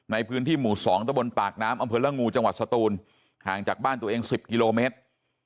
ในพื้นที่หมู่๒ตะบนปากน้ำอำเภอละงูจังหวัดสตูนห่างจากบ้านตัวเอง๑๐กิโลเมตร